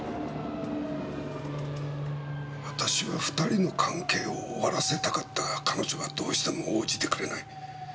私は２人の関係を終わらせたかったが彼女がどうしても応じてくれない。